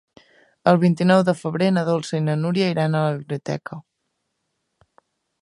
El vint-i-nou de febrer na Dolça i na Núria iran a la biblioteca.